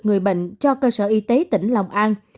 người bệnh cho cơ sở y tế tỉnh lòng an